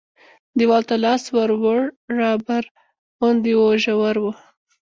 دیوال ته لاس ور ووړ رابر غوندې و ژور و.